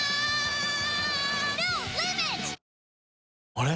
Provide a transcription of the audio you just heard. あれ？